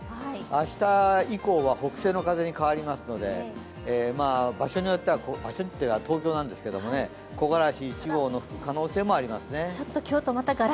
明日以降は北西の風に変わりますので、場所によってはというか東京なんですけど木枯らし１号が吹く可能性があります。